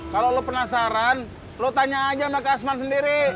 kalau lo penasaran lo tanya aja sama kasmannya sendiri